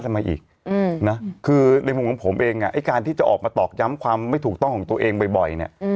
ทำไมอีกนะคือในมุมของผมเองไอ้การที่จะออกมาตอกย้ำความไม่ถูกต้องของตัวเองบ่อยเนี่ย